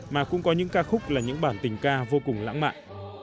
mà cũng có những ca khúc là những bản tình ca vô cùng lãng mạn